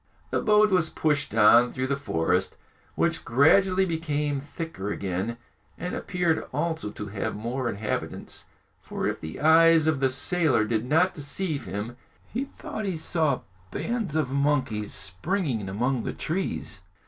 The boat was pushed on through the forest, which gradually became thicker again, and appeared also to have more inhabitants; for if the eyes of the sailor did not deceive him, he thought he saw bands of monkeys springing among the trees.